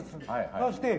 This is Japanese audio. そして